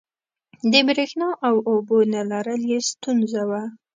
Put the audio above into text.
د برېښنا او اوبو نه لرل یې ستونزه وه.